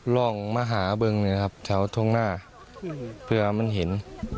ล่องมาหาบึงนะครับแถวทุ่งหน้าเผื่อมันเห็น